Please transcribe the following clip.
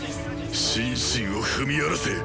心身を踏み荒らせ「幻燈」！